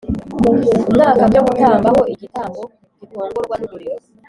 Umwaka byo gutamba ho igitambo gikongorwa n umuriro